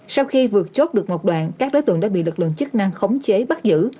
sau khi vượt chốt được một đoạn các đối tượng đã bị lực lượng chức năng khống chế bắt giữ